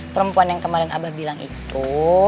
perempuan yang kemarin abah bilang itu